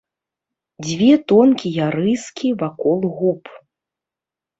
Дзве тонкія рыскі вакол губ.